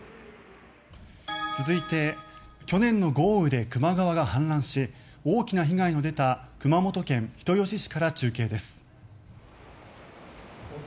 続いて去年の豪雨で球磨川が氾濫し大きな被害の出た熊本県人吉市から中継です。